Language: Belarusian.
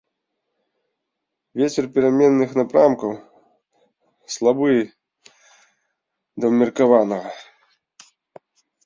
Вецер пераменных напрамкаў, слабы да ўмеркаванага.